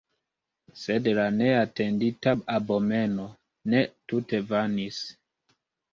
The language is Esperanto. Sed la neatendita abomeno ne tute vanis.